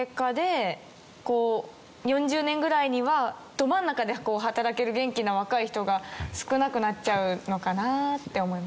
ど真ん中で働ける元気な若い人が少なくなっちゃうのかなって思いました。